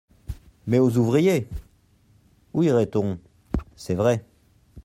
Mais aux ouvriers !… Où irait-on ? C'est vrai.